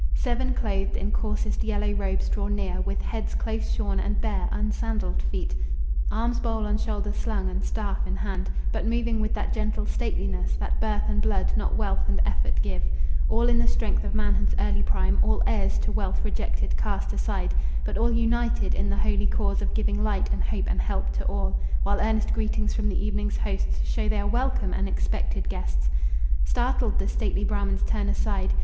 Seven clothed in coarsest yellow robes draw near With heads close shorn and bare, unsandaled feet, Alms bowl on shoulder slung and staff in hand, But moving with that gentle stateliness That birth and blood, not wealth and effort, give, All in the strength of manhood's early prime, All heirs to wealth rejected, cast aside, But all united in the holy cause Of giving light and hope and help to all, While earnest greetings from the evening's hosts Show they are welcome and expected guests. Startled, the stately Brahmans turn aside.